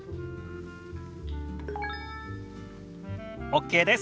ＯＫです。